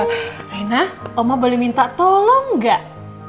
hena oma boleh minta tolong gak